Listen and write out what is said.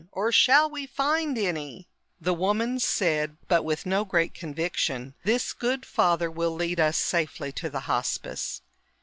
Or shall we find any?" The woman said, but with no great conviction, "This good Father will lead us safely to the Hospice."